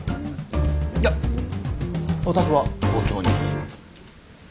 いや私は校長に。